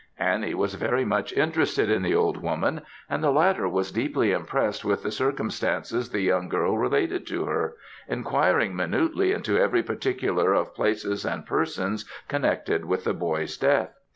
Annie was very much interested in the old woman; and the latter was deeply impressed with the circumstances the young girl related to her; enquiring minutely into every particular of places and persons connected with the boy's death.